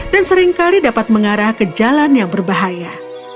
dan seringkali dapat mengarah ke jalan yang berbahaya